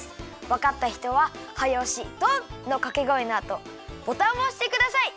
わかった人は「はやおしドン！」のかけごえのあとボタンをおしてください。